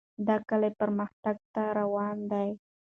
دا کلی پرمختګ ته روان دی.